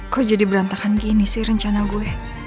kok jadi berantakan gini sih rencana gue